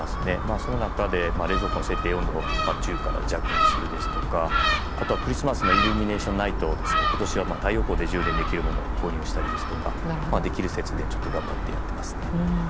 その中で、冷蔵庫の設定温度を中から弱にするですとかあとはクリスマスのイルミネーションナイトを今年は太陽光で充電できるものを購入したりできる節電を頑張ってやっています。